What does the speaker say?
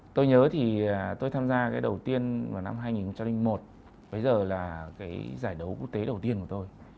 tôi nhớ thì tôi tham gia cái đầu tiên vào năm hai nghìn một bây giờ là cái giải đấu quốc tế đầu tiên của tôi